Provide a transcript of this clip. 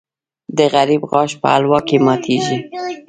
د غریب غاښ په حلوا کې ماتېږي.